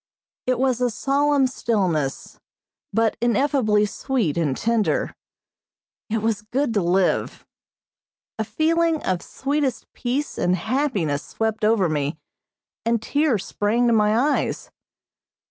It was a solemn stillness, but ineffably sweet and tender. It was good to live. A feeling of sweetest peace and happiness swept over me, and tears sprang to my eyes.